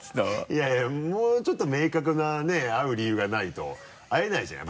いやいやもうちょっと明確なね会う理由がないと会えないじゃん？